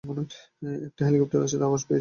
একটা হেলিকপ্টার আসার আওয়াজ পেয়েছি।